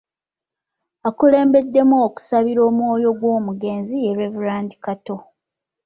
Akulembeddemu okusabira omwoyo gw'omugenzi ye Reverand Kato